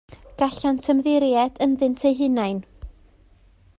Gallant ymddiried ynddynt eu hunain.